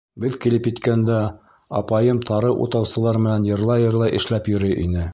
Беҙ килеп еткәндә, апайым тары утаусылар менән йырлай-йырлай эшләп йөрөй ине.